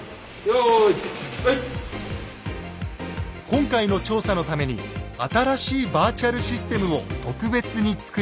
今回の調査のために新しいバーチャル・システムを特別に作り上げました。